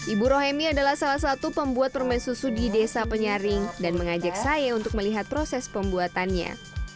ibu rohemi adalah salah satu pembuat permen susu di desa penyaring dan mengajak saya untuk melihat proses pembuatannya